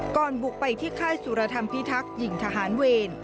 บุกไปที่ค่ายสุรธรรมพิทักษ์หญิงทหารเวร